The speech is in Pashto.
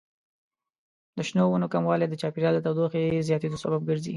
د شنو ونو کموالی د چاپیریال د تودوخې زیاتیدو سبب ګرځي.